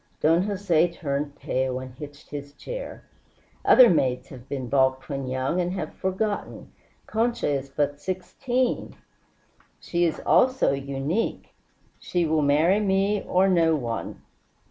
Don Jose turned pale and hitched his chair. "Other maids have been balked when young, and have forgotten. Concha is but sixteen " "She is also unique. She will marry me or no one.